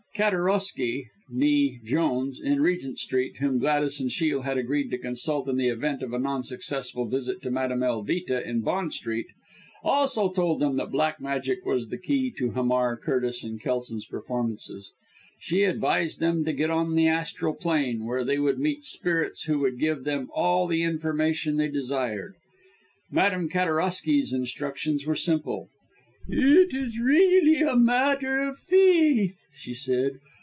Kateroski (née Jones) in Regent Street, whom Gladys and Shiel had agreed to consult in the event of a non successful visit to Madame Elvita in Bond Street, also told them that Black Magic was the key to Hamar, Curtis & Kelson's performances. She advised them to get on the Astral Plane, where they would meet spirits who would give them all the information they desired. Madame Kateroski's instructions were simple. "It is really a matter of faith," she said.